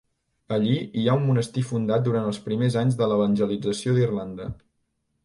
Allí hi ha un monestir fundat durant els primers anys de l'evangelització d'Irlanda.